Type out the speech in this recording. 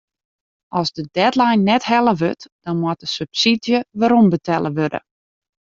As de deadline net helle wurdt dan moat de subsydzje werombetelle wurde.